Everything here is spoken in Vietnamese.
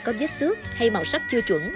có vết xước hay màu sắc chưa chuẩn